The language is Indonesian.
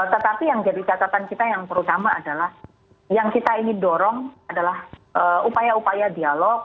tetapi yang jadi catatan kita yang terutama adalah yang kita ingin dorong adalah upaya upaya dialog